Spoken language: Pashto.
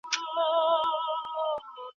هغوی به په راتلونکې میاشت کي خپله څېړنه پیل کړي.